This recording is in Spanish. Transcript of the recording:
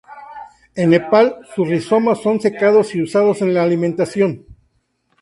En Nepal, sus rizomas son secados y usados en la alimentación.